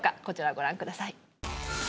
こちらご覧ください